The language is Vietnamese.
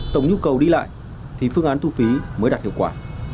tổng nhu cầu đi lại thì phương án thu phí mới đạt hiệu quả